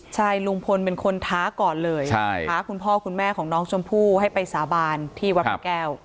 ใช่ลุงพลเป็นคนท้าก่อนเลยท้าคุณพ่อคุณแม่ของน้องชมพู่ให้ไปสาบานที่วัดพระแก้ว